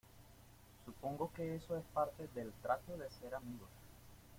supongo que eso es parte del trato de ser amigos.